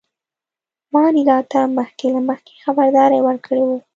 ما انیلا ته مخکې له مخکې خبرداری ورکړی و